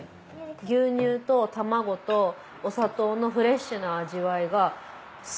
牛乳と卵とお砂糖のフレッシュな味わいが。